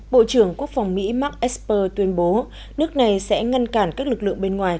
bộ trưởng quốc phòng mỹ mark esper tuyên bố nước này sẽ ngăn cản các lực lượng bên ngoài